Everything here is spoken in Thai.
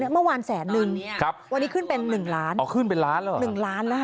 เมื่อวานแสนนึงครับวันนี้ขึ้นเป็นหนึ่งล้านอ๋อขึ้นเป็นล้านแล้วเหรอ๑ล้านนะคะ